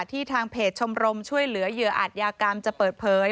ทางเพจชมรมช่วยเหลือเหยื่ออาจยากรรมจะเปิดเผย